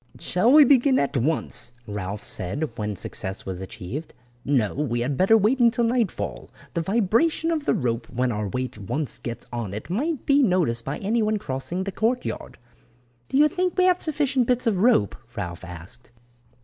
"Shall we begin at once?" Ralph said, when success was achieved. "No, we had better wait until nightfall. The vibration of the rope when our weight once gets on it might be noticed by anyone crossing the courtyard." "Do you think we have sufficient bits of rope," Ralph asked.